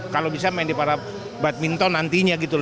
kalau bisa main di para badminton nantinya gitu loh